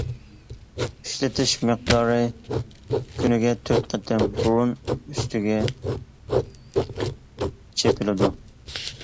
ئىشلىتىش مىقدارى: كۈنىگە تۆت قېتىم بۇرۇن ئۈستىگە چېپىلىدۇ.